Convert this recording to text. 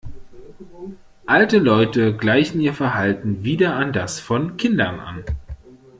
Alte Leute gleichen ihr Verhalten wieder an das von Kindern an.